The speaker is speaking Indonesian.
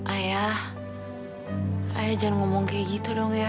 ayah ayah jangan ngomong kayak gitu dong ya